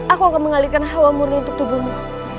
aku akan mengalihkan hawa murni untuk tubuhmu